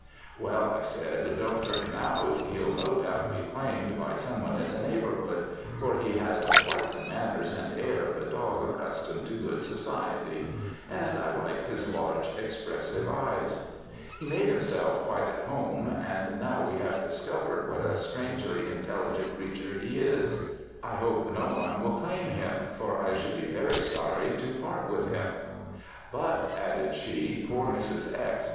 "'Well,' I said, 'don't turn him out; he'll no doubt be claimed by some one in the neighbourhood for he had quite the manners and air of a dog accustomed to good society; and I liked his large, expressive eyes. He made himself quite at home; and now we have discovered what a strangely intelligent creature he is, I hope no one will claim him, for I should be very sorry to part with him. But,' added she, 'poor Mrs. X.